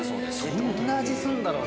どんな味するんだろう？